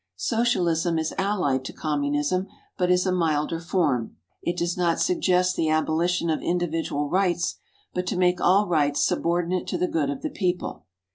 Socialism is allied to Communism, but is a milder form. It does not suggest the abolition of individual rights, but to make all rights subordinate to the good of the people.